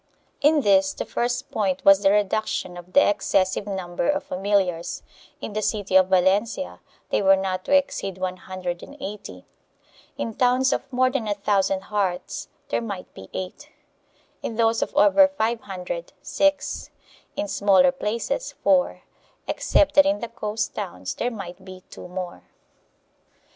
In this the first point was the reduction of the excessive number of familiars; in the city of Valencia they were not to exceed one hundred and eighty ; in towns of more than a thousand hearths there might be eight, in those of over five hundred six, in smaller places four, except that in the coast towns there might be two more.